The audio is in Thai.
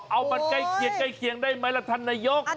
เอามันใกล้เคียงได้ไหมล่ะท่านนายก